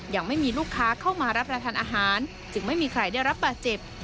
ยังไม่มีลูกค้าเข้ามารับประทานอาหารจึงไม่มีใครได้รับบาดเจ็บ